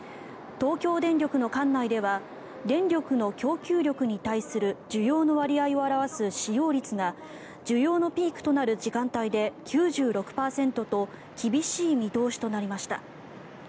東京電力の管内では電力の供給力に対する需要の割合を示す使用率が需要のピークとなる時間帯で９６％と厳しい見通しとなりました。